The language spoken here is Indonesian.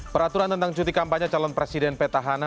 peraturan tentang cuti kampanye calon presiden petahana